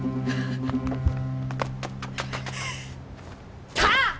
ああ。